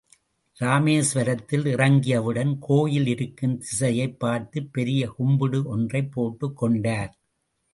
இராமேஸ்வரத்தில் இறங்கியவுடன், கோயில் இருக்கும் திசையைப் பார்த்து பெரிய கும்பிடு ஒன்றைப் போட்டுக் கொண்டார்.